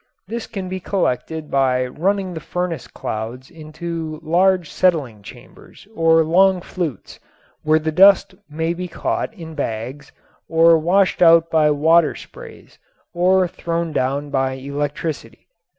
This can be collected by running the furnace clouds into large settling chambers or long flues, where the dust may be caught in bags, or washed out by water sprays or thrown down by electricity.